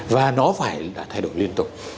và nó phải là thay đổi liên tục